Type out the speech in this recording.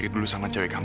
untuk pisan adam